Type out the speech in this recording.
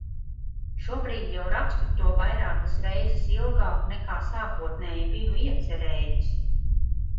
Šobrīd jau rakstu to vairākas reizes ilgāk nekā sākotnēji biju iecerējis.